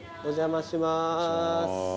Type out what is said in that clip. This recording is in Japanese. お邪魔しまーす。